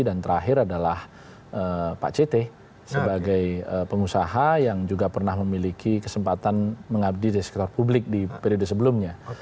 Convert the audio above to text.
dan terakhir adalah pak cete sebagai pengusaha yang juga pernah memiliki kesempatan mengabdi di sekretar publik di periode sebelumnya